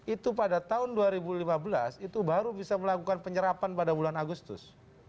itu pada tahun dua ribu lima belas itu baru bisa melakukan penyerapan pada bulan agustus